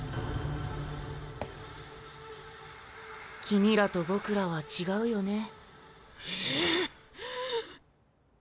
君らと僕らは違うよね。